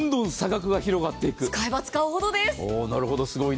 使えば使うほどです！